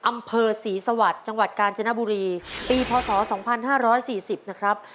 อำเภอศรีสวัสดิ์จังหวัดกาญจนบุรีปีพศ๒๕๔๐นะครับ